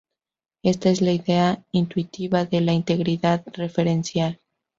Esta es la idea intuitiva de la integridad referencial.